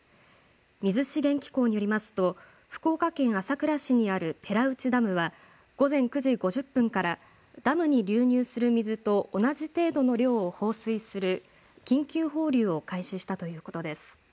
水資源機構によりますと福岡県朝倉市にある寺内ダムは午前９時５０分からダムに流入する水と同じ程度の量を放水する緊急放流を開始したということです。